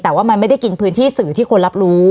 แต่ว่ามันไม่ได้กินพื้นที่สื่อที่คนรับรู้